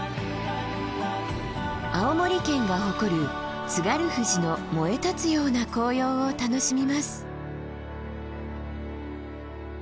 青森県が誇る津軽富士の燃え立つような紅葉を楽しみます。